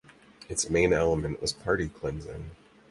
Its main element was party cleansing.